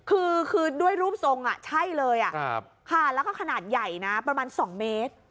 คือคือด้วยรูปทรงอ่ะใช่เลยอ่ะครับค่ะแล้วก็ขนาดใหญ่น่ะประมาณสองเมตร